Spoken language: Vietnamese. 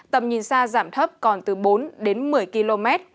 tầm nhìn xa giảm thấp còn từ bốn đến một mươi km